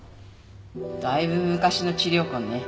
だいぶ昔の治療痕ね。